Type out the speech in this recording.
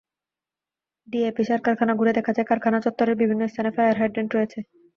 DAP সার কারখানা ঘুরে দেখা যায়, কারখানা চত্বরের বিভিন্ন স্থানে ফায়ার হাইড্রেন্ট রয়েছে।